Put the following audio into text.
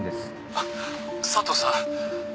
「あっ佐藤さん！」